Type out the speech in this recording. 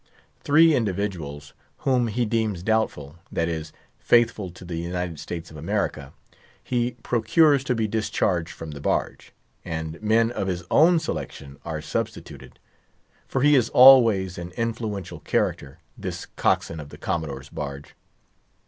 Three individuals, whom he deems doubtful—that is, faithful to the United States of America—he procures to be discharged from the barge, and men of his own selection are substituted; for he is always an influential character, this cockswain of the Commodore's barge.